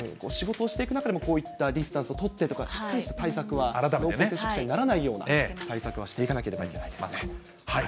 仕事をしていく中でも、こういったディスタンスを取ってとか、しっかりした対策は、濃厚接触者にならないような対策はしていかなければいけません。